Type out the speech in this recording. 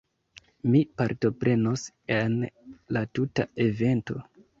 Mi partoprenos en la tuta evento